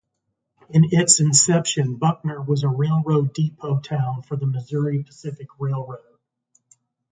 In its inception Buckner was a railroad depot town for the Missouri Pacific Railroad.